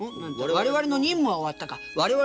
「我々の任務は終わった。